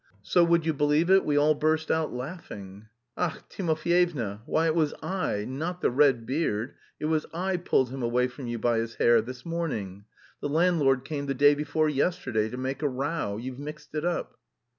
So would you believe it, we all burst out laughing...." "Ach, Timofyevna, why it was I, not the red beard, it was I pulled him away from you by his hair, this morning; the landlord came the day before yesterday to make a row; you've mixed it up."